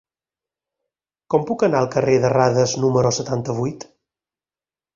Com puc anar al carrer de Radas número setanta-vuit?